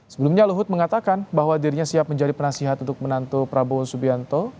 sebelumnya luhut mengatakan bahwa dirinya siap menjadi penasihat untuk menantu prabowo subianto